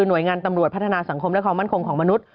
หน่วยงานตำรวจพัฒนาสังคมและความมั่นคงของมนุษย